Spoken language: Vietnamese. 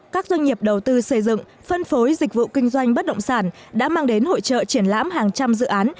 các doanh nghiệp đầu tư xây dựng phân phối dịch vụ kinh doanh bất động sản đã mang đến hội trợ triển lãm hàng trăm dự án